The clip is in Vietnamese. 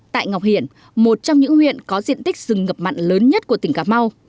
tại ngọc hiển một trong những huyện có diện tích rừng ngập mặn lớn nhất của tỉnh cà mau